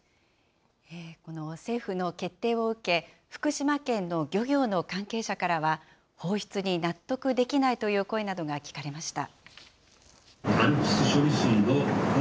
この政府の決定を受け、福島県の漁業の関係者からは、放出に納得できないという声などが聞かれました。